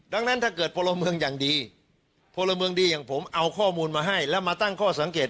ดังนั้นถ้าเกิดพลเมืองอย่างดีพลเมืองดีอย่างผมเอาข้อมูลมาให้แล้วมาตั้งข้อสังเกต